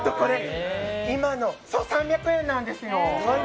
３００円なんですよ。